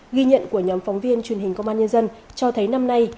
ghi nhận của nhóm phóng viên truyền hình công an nhân dân cho thấy năm nay